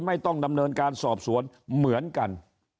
ไม่ต้องดำเนินการสอบสวนเหมือนกัน